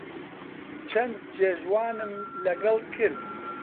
چەند جێژوانم لەگەڵ کرد